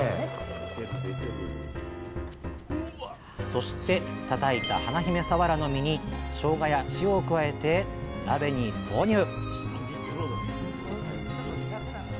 そしてたたいた華姫さわらの身にしょうがや塩を加えて鍋に投入！